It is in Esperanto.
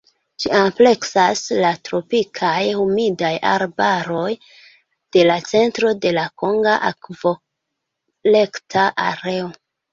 Ĝi ampleksas la tropikaj humidaj arbaroj de la centro de la konga akvokolekta areo.